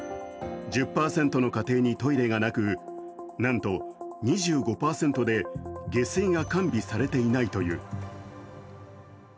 １０％の家庭にトイレがなく、なんと２５％で下水が完備されていないという。